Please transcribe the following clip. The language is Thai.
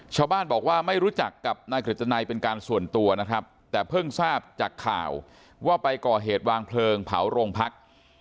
ชาวบ้านบอกว่าไม่รู้จักกับนายกฤตนัยเป็นการส่วนตัวนะครับแต่เพิ่งทราบจากข่าวว่าไปก่อเหตุวางเพลิงเผาโรงพัก